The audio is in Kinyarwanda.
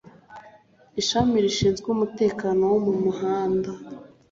ishami rishinzwe umutekano wo mu muhanda